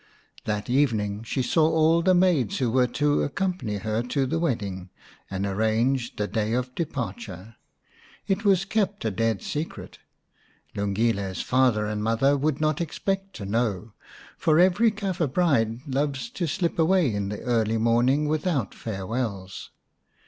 That evening she saw all the maids who were to accompany her to the wedding, and arranged the day of departure. It was kept a dead secret ; Lungile's father and mother would not expect to know, for every Kafir bride loves to slip away in the early morning without farewells.